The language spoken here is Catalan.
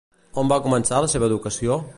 On va començar la seva educació?